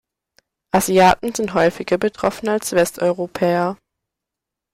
Asiaten sind häufiger betroffen als Westeuropäer.